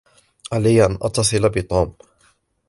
عليّ أن أتصل بتوم.